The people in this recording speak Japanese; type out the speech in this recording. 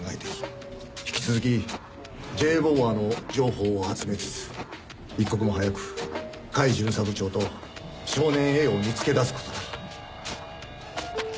引き続きＪ・ボマーの情報を集めつつ一刻も早く甲斐巡査部長と少年Ａを見つけ出す事だ。